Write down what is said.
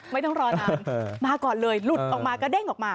ไม่ต้องรอนานมาก่อนเลยหลุดออกมากระเด้งออกมา